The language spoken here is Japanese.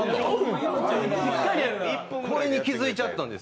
これに気付いちゃったんです。